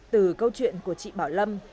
từ câu chuyện của chị bảo lâm